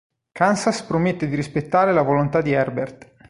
Kansas promette di rispettare la volontà di Herbert.